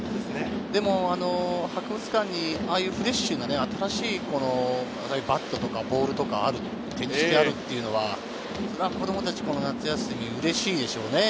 でも博物館にああいうフレッシュな、新しいバットとかボールとかが展示してあるっていうのは、子供達、この夏休み、うれしいでしょうね。